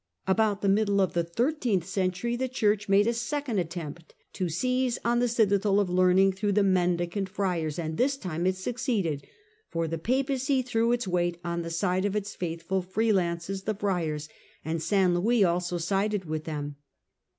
About the middle of the thirteenth century the Church made a second attempt to seize on the citadel of learning through the Mendicant Friars, and this time it succeeded, for the Papacy threw its weight on the side of its faithful " free lances," the Friars, and St Louis also sided with them.